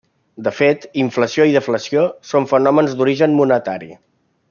De fet, inflació i deflació són fenòmens d'origen monetari.